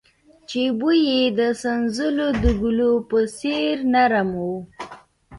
چې بوى يې د سنځلو د ګلو په څېر نرم و.